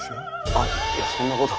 あっいやそんなこと。